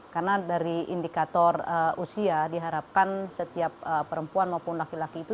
karena dari indikator usia diharapkan setiap perempuan maupun laki laki itu